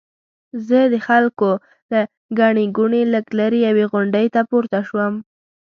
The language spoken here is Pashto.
زه د خلکو له ګڼې ګوڼې لږ لرې یوې غونډۍ ته پورته شوم.